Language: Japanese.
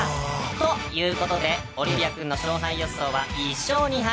ということでオリビア君の勝敗予想は１勝２敗。